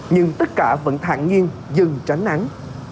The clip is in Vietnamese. nhưng tất cả vẫn thạng nhiên dừng tránh nắng